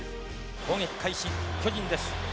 攻撃開始、巨人です。